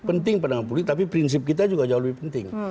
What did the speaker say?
penting pandangan publik tapi prinsip kita juga jauh lebih penting